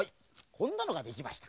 こんなのができました。